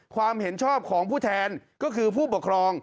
ความเห็นชอบของผู้แทนก็คือผู้ปกครอง